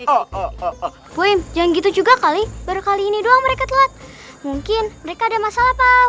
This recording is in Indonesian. oh grapoh yang gitu juga kali kali ini doang mereka telat mungkin mereka ada masalah pak